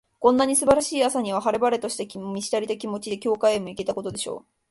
こんな素晴らしい朝には、晴れ晴れとした、満ち足りた気持ちで、教会へも行けたことでしょう。